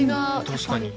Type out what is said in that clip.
確かに。